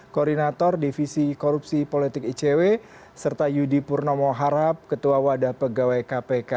koordinator divisi korupsi politik icw serta yudi purnomo harap ketua wadah pegawai kpk